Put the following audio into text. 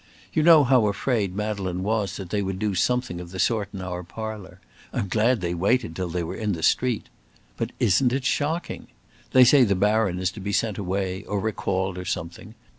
You know how afraid Madeleine was that they would do something of the sort in our parlour. I'm glad they waited till they were in the street. But isn't it shocking! They say the Baron is to be sent away, or recalled, or something.